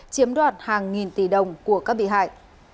chiếm đoạt hàng nghìn tỷ đồng của các bị hại